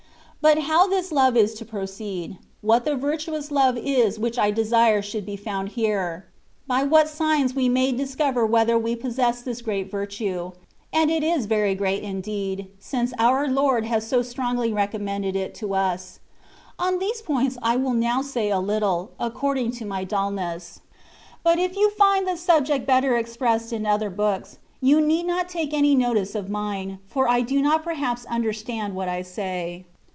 But how this love is to proceed ; what the virtuous love is which I desire should be found here, by whai: signs we may discover whether we possess this great virtue (and it is very great indeed, since our Lord has so strongly recommended it to us) — on these points I will now say a little, according to my dulness. But THE WAY OF PERFECTION. 21 if you find the subject better expressed in other books^ you need not take any notice of mine^ for I do not perhaps understand what I say.